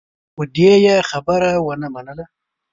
خو دې يې خبره ونه منله.